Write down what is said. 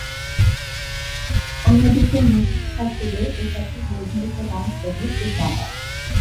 অন্যদিকে মেয়ে শিক্ষার্থীদের পোশাকের নির্ধারিত রঙ সবুজ ও সাদা।